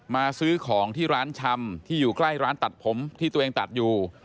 ซื้อของที่ร้านชำที่อยู่ใกล้ร้านตัดผมที่ตัวเองตัดอยู่